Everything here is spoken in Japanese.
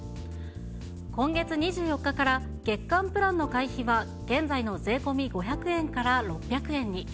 今月２４日から、月間プランの会費は現在の税込み５００円から６００円に。